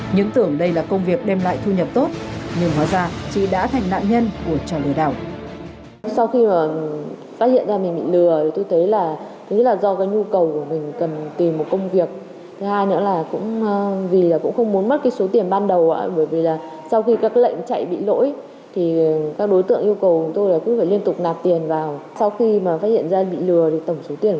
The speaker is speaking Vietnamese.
những tưởng đây là công việc đem lại thu nhập tốt nhưng hóa ra chị đã thành nạn nhân của trò lừa đảo